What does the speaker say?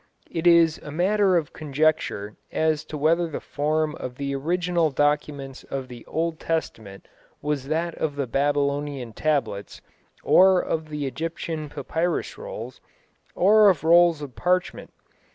It is a matter of conjecture as to whether the form of the original documents of the Old Testament was that of the Babylonian tablets, or of the Egyptian papyrus rolls, or of rolls of parchment.